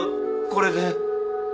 これで。